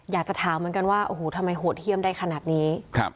อยากจะถามเหมือนกันว่าโอ้โหทำไมโหดเยี่ยมได้ขนาดนี้